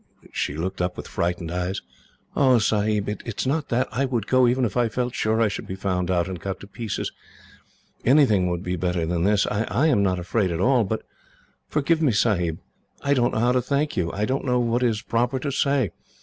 She looked up with frightened eyes. "Oh, Sahib, it is not that; I would go, even if I felt sure I should be found out and cut to pieces. Anything would be better than this. I am not afraid at all. "But forgive me, Sahib. I don't know how to thank you. I don't know what is proper to say.